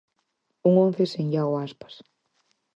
Un once sen Iago Aspas.